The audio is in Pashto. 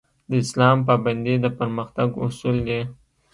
د اسلام پابندي د پرمختګ اصول دي